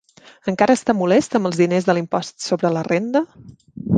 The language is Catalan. Encara està molest amb els diners de l'impost sobre la renda?